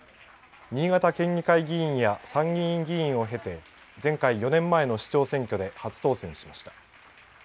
新潟県議会議員や参議院議員を経て前回、４年前の市長選挙で初当選しました。